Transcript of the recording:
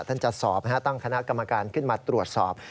จะสอบตั้งคณะกรรมการขึ้นมาตรวจสอบ